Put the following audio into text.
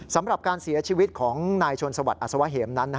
สำหรับการเสียชีวิตของนายชนสวัสดิอัศวะเหมนั้น